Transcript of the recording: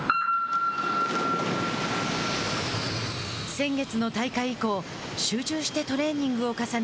先月の大会以降集中してトレーニングを重ね